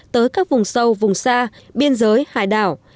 tới các vùng sâu vùng xa biên giới hải đảo